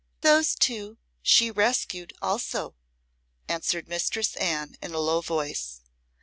"Those two she rescued also," answered Mistress Anne in a low voice.